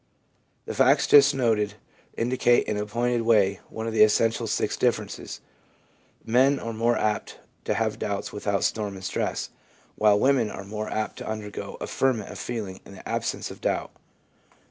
The facts just noted indicate in a pointed way one of the essential sex differences ; men are more apt to have doubts without storm and stress, while women are more apt to undergo a ferment of feeling in the absence of doubt.